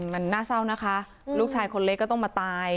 มันน่าเศร้านะคะลูกชายคนเล็กก็ต้องมาตาย